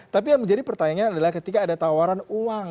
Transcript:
tapi yang menjadi pertanyaan adalah ketika ada tawaran uang